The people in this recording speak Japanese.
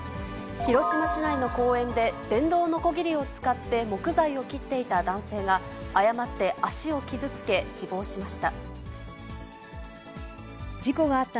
広島市内の公園で、電動のこぎりを使って木材を切っていた男性が、誤って足を傷つけ、死亡しました。